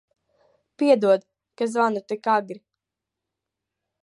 Piedod, ka zvanu tik agri.